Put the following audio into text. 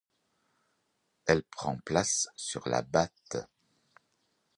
Elle prend place sur La Batte.